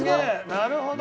なるほど。